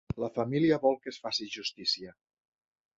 La família vol que es faci justícia.